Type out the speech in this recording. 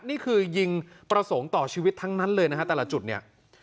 นี่คือยิงประสงค์ต่อชีวิตทั้งนั้นเลยนะฮะแต่ละจุดเนี่ย